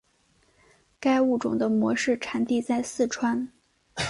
该物种的模式产地在四川。